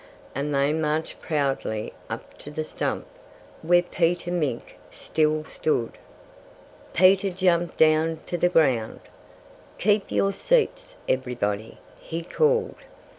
And they marched proudly up to the stump where Peter Mink still stood. Peter jumped down to the ground. "Keep your seats, everybody!" he called.